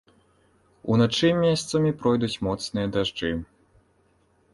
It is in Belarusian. Уначы месцамі пройдуць моцныя дажджы.